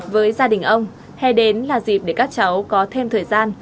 với gia đình ông hè đến là dịp để các cháu có thêm thời gian